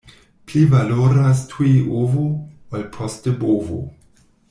Pli valoras tuj ovo, ol poste bovo.